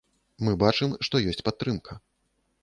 Мы бачым, што ёсць падтрымка.